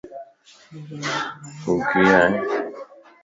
تو ڪيئن ائين؟